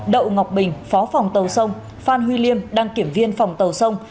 đậu ngọc bình phó phòng tàu sông phan huy liêm đăng kiểm viên phòng tàu sông